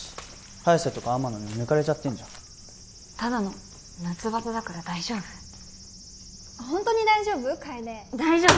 早瀬とか天野に抜かれちゃってんじゃんただの夏バテだから大丈夫ホントに大丈夫？